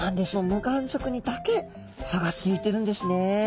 無眼側にだけ歯がついてるんですね。